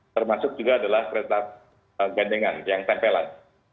termasuk juga adalah kereta gandengan yang tempelan